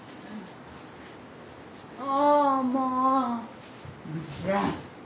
ああもう！